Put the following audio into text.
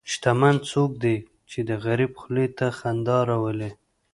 شتمن څوک دی چې د غریب خولې ته خندا راولي.